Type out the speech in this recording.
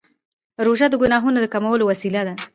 روژه د ګناهونو د کمولو وسیله ده.